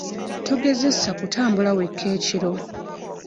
Togezesa kutambula weka ekiro.